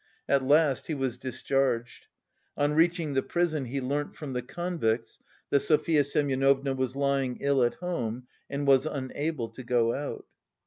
At last he was discharged. On reaching the prison he learnt from the convicts that Sofya Semyonovna was lying ill at home and was unable to go out.